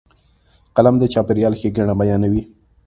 قلم د چاپېریال ښېګڼه بیانوي